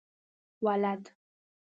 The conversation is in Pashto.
ولد؟